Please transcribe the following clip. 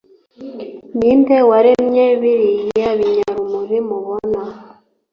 ni nde waremye biriya binyarumuri mubona,